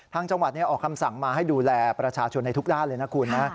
ทางจังหวัดออกคำสั่งมาให้ดูแลประชาชนในทุกด้านเลยนะคุณนะ